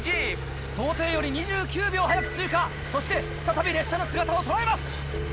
想定より２９秒早く通過そして再び列車の姿を捉えます！